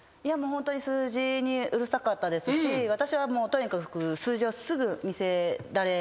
ホントに数字にうるさかったですし私はとにかく数字をすぐ見せられるんですよ。